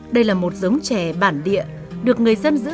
đây là một giống chè bản địa được người dân giữ gìn như báu vật